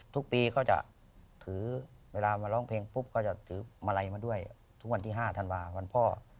ทุกปีก็จะถือเวลามาร้องเพลงปุ๊บก็จะถือมาลัยมาด้วยทุกวันที่๕ธันวาวันพ่อ